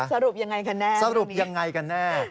สรุปยังไงกันแน่สรุปยังไงกันแน่